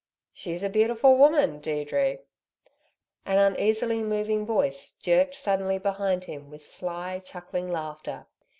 "She's a beautiful woman Deirdre." An uneasily moving voice jerked suddenly behind him with sly, chuckling laughter.